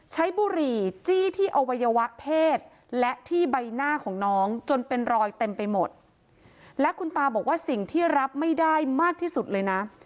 บุหรี่จี้ที่อวัยวะเพศและที่ใบหน้าของน้องจนเป็นรอยเต็มไปหมดและคุณตาบอกว่าสิ่งที่รับไม่ได้มากที่สุดเลยนะ